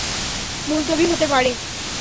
মুলতবি হতে পারে।